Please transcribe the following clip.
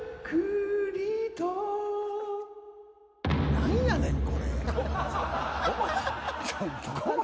何やねんこれ。